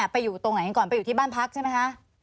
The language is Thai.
ไปอยู่ตรงไหนก่อนไปอยู่ที่บ้านพักใช่ไหมคะ